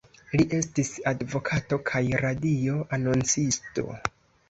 Li estis advokato kaj radio-anoncisto.